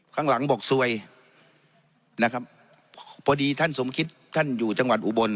ข้างหลังบอกซวยนะครับพอดีท่านสมคิดท่านอยู่จังหวัดอุบล